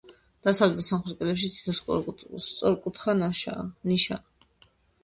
დასავლეთ და სამხრეთ კედლებში თითო სწორკუთხა ნიშაა.